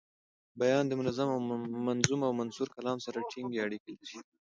بیان د منظوم او منثور کلام سره ټینګي اړیکي لري.